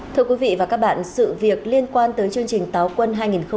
thưa quý vị và các bạn sự việc liên quan tới chương trình táo quân hai nghìn một mươi chín